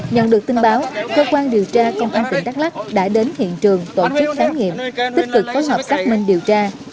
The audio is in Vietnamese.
nhận được tin báo cơ quan điều tra công an tỉnh đắk lắc đã đến hiện trường tổ chức khám nghiệm tích cực phối hợp xác minh điều tra